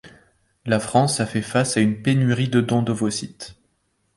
La France a fait face à une pénurie de dons d'ovocytes.